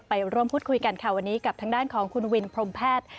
ไปร่วมพูดคุยกันค่ะวันนี้กับทางด้านของคุณวินพรมแพทย์